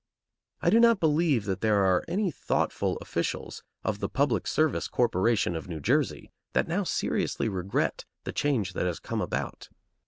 I do not believe that there are any thoughtful officials of the Public Service Corporation of New Jersey that now seriously regret the change that has come about.